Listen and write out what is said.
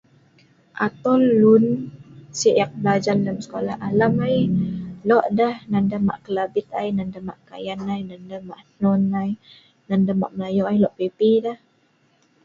Atol lun si ek belajal lem sekolah alam ai, lo' deh nan deh mah' Kelabit ai, nan deh mah' Kayan ai, Nan deh mah' hnon ai, Nan deh mah' melayoh' ai. Lo' pi-pi deh.